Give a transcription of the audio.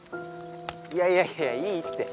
いやいやいやいいって。